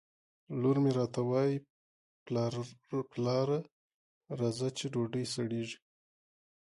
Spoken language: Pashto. لور مې راته وایي ! پلاره راځه چې ډوډۍ سړېږي